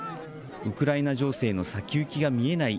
ウクライナ情勢の先行きが見えない